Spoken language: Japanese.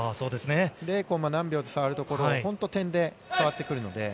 ０コンマ何秒と差があるところ、本当、点で触ってくるので。